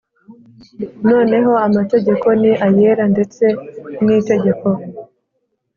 Noneho amategeko ni ayera ndetse n itegeko